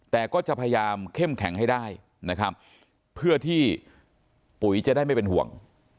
แต่ก็จะพยายามเข้มแข็งให้ได้นะครับเพื่อที่ปุ๋ยจะได้ไม่เป็นห่วง